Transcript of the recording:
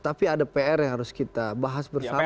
tapi ada pr yang harus kita bahas bersama